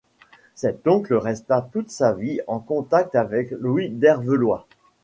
Cet oncle resta toute sa vie en contact avec Louis d’Hervelois.